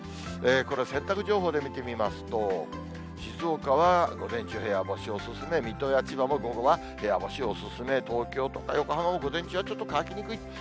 これ、洗濯情報で見てみますと、静岡は午前中、部屋干しお勧め、水戸や千葉も午後は部屋干しお勧め、東京都か横浜も午前中はちょっと乾きにくい。